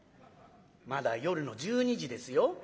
「まだ夜の１２時ですよ。